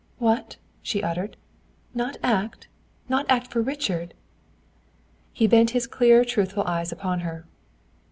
"What!" she uttered. "Not act not act for Richard!" He bent his clear, truthful eyes upon her.